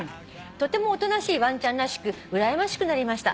「とてもおとなしいワンちゃんらしくうらやましくなりました。